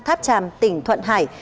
tháp tràm tỉnh thuận hải